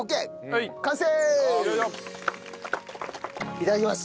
いただきます！